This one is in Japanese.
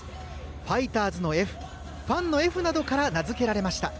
ファイターズの「Ｆ」ファンの「Ｆ」などから名付けられました。